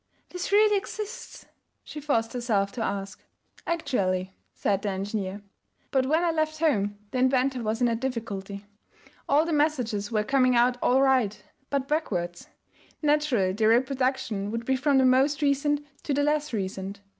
'This really exists?' she forced herself to ask. 'Actually,' said the engineer. 'But when I left home the inventor was in a difficulty. All the messages were coming out all right, but backwards. Naturally the reproduction would be from the most recent to the less recent.